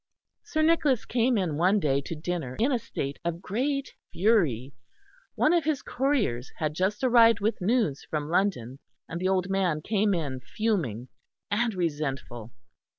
Sir Nicholas came in one day to dinner in a state of great fury. One of his couriers had just arrived with news from London; and the old man came in fuming and resentful.